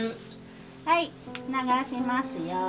はい流しますよ。